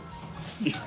いや。